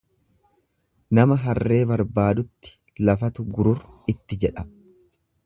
Nama harree barbaadutti lafatu gurur itti jedha.